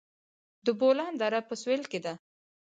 د بولان دره په سویل کې ده